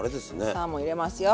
サーモン入れますよ。